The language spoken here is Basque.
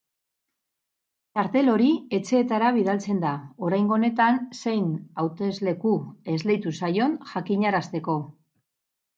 Txartel hori etxeetara bidaltzen da, oraingo honetan zein hautesleku esleitu zaion jakinarazteko.